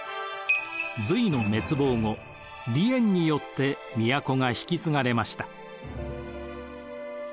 隋の滅亡後李淵によって都が引き継がれました。